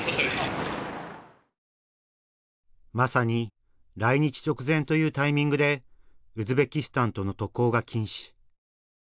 まさに来日直前というタイミングでウズベキスタンとの渡航が禁止。